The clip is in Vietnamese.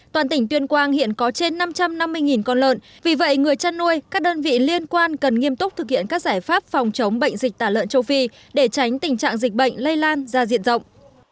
toàn tỉnh tuyên quang hiện có trên năm trăm năm mươi con lợn vì vậy người chăn nuôi các đơn vị liên quan cần nghiêm túc thực hiện các giải pháp phòng chống bệnh dịch tả lợn châu phi để tránh tình trạng dịch bệnh lây lan ra diện rộng